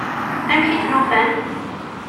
Amek i ten-ufan?